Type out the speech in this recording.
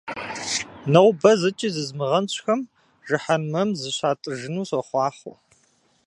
Нобэ зыкӀи зызмыгъэнщӀхэм жыхьэнмэм зыщатӀыжыну сохъуахъуэ!